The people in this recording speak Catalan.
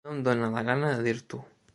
No em dona la gana de dir-t'ho.